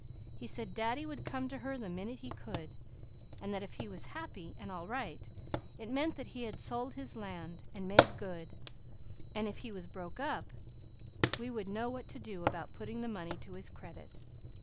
He said 'Daddy' would come to her the minute he could, and then if he was happy and all right, it meant that he had sold his land and made good; and if he was broke up, we would know what to do about putting the money to his credit.